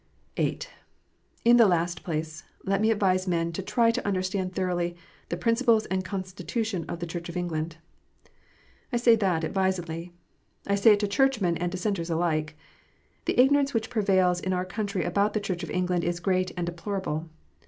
(8) In the last place, let me advise men to try to understand thoroughly the principles and constitution of the Church of England. I say that advisedly. I say it to Churchmen and Dissenters alike. The ignorance which prevails in our country about the Church of England is great and deplorable.